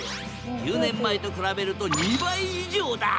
１０年前と比べると２倍以上だ！